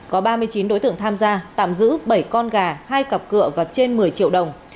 có ba mươi chín đối tượng tham gia tạm giữ bảy con gà hai cặp cựa và trên một mươi triệu đồng